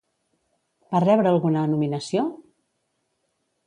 Va rebre alguna nominació?